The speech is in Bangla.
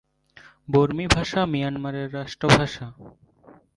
বর্মী ভাষা মিয়ানমারের রাষ্ট্রভাষা।